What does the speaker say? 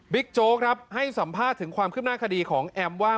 โจ๊กครับให้สัมภาษณ์ถึงความคืบหน้าคดีของแอมว่า